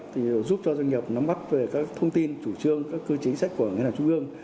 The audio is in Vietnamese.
thì giúp cho doanh nghiệp nắm bắt về các thông tin chủ trương các cơ chính sách của ngân hàng trung ương